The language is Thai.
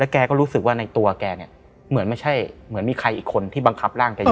แกก็รู้สึกว่าในตัวแกเนี่ยเหมือนไม่ใช่เหมือนมีใครอีกคนที่บังคับร่างแกอยู่